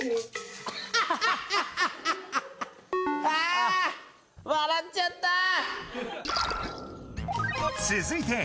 あぁ笑っちゃった。